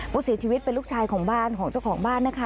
ผู้เสียชีวิตเป็นลูกชายของบ้านของเจ้าของบ้านนะคะ